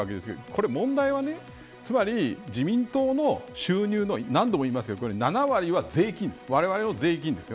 これ問題は、つまり自民党の収入の何度も言いますけど７割はわれわれの税金です。